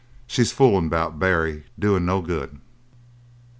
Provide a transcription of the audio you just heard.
She's foolin' about Barry, doin' no good."